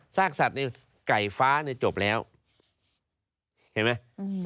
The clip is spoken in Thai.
ซากสัตว์ไก่ฟ้าจบแล้วเห็นไหม